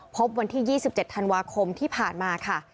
พบวันที่๒๗ธันวาคมที่ผ่านมาค่ะ